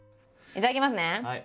いただきます！